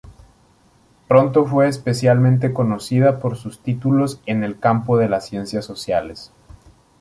Pronto fue especialmente conocida por sus títulos en el campo de las ciencias sociales.